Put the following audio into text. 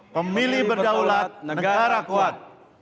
pemilih berdaulat negara kuat